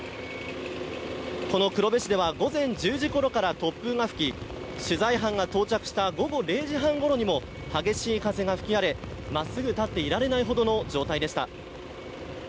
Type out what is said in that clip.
この黒部市では午前１０時ごろから突風が吹き、取材班が到着した午後０時半ごろにも激しい風が吹き荒れ、まっすぐ立っていられないほどの状態でした。